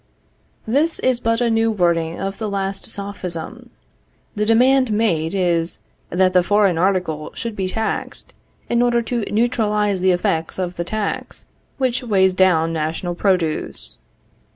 This is but a new wording of the last Sophism. The demand made is, that the foreign article should be taxed, in order to neutralize the effects of the tax, which weighs down national produce.